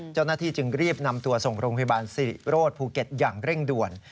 เจ้าหน้าที่จึงรีบนำตัวส่งโรงพยาบาลสิริโรธภูเก็ตอย่างเร่งด่วน